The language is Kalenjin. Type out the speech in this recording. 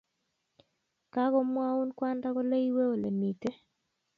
kogamwaun kwanda kole iwe olemite